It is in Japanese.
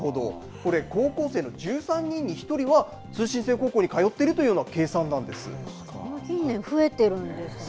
これ高校生の１３人に１人は通信制高校に通っているという近年増えているんですね。